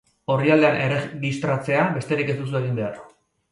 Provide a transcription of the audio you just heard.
Orrialdean erregistratzea besterik ez duzu egin behar.